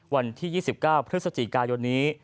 วันที่๒๙พฤศจิกายนนี้